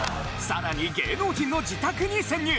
さらに芸能人の自宅に潜入！